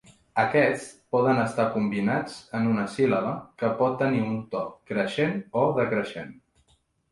Aquests poden estar combinats en una síl·laba que pot tenir un to creixent o decreixent.